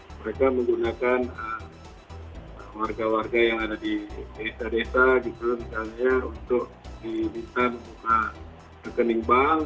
mereka menggunakan warga warga yang ada di desa desa gitu misalnya untuk diminta membuka rekening bank